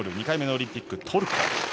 ２回目のオリンピック、トルコ。